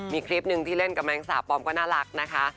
มีคลิปหนึ่งที่เล่นกับแมงสาปลอมก็น่ารักนะคะ